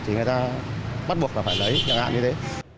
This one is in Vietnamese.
thì người ta bắt buộc là phải lấy nhận ạ như thế